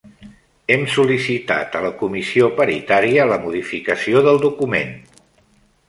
Hem sol·licitat a la comissió paritària la modificació del document.